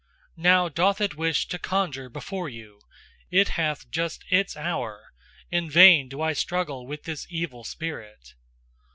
Now doth it wish to conjure before you, it hath just ITS hour; in vain do I struggle with this evil spirit.